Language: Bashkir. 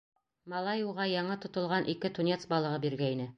Малай уға яңы тотолған ике тунец балығы биргәйне.